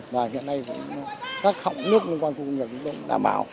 và hiện nay các họng nước liên quan khu công nghiệp cũng đảm bảo